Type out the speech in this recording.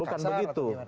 bukan bukan begitu